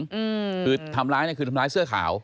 คือทำร้ายคือทำร้ายเสื้อขาว